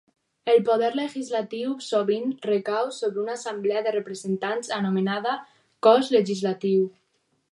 El poder legislatiu sovint recau sobre una assemblea de representants anomenada cos legislatiu.